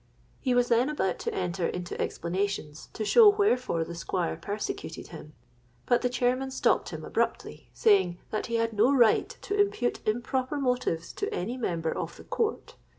He was then about to enter into explanations to show wherefore the Squire persecuted him; but the chairman stopped him abruptly, saying, that he had no right to impute improper motives to any member of the court.